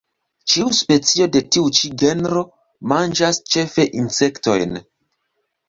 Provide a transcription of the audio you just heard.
Ĉiu specio de tiu ĉi genro manĝas ĉefe insektojn.